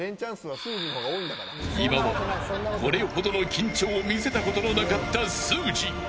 今までこれほどの緊張を見せたことのなかったすーじー。